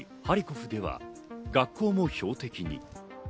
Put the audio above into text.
ハリコフでは学校も標的に。